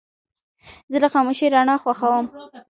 زه د خاموشې رڼا خوښوم.